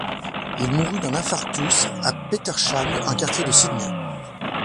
Il mourut d'un infarctus à Petersham un quartier de Sydney.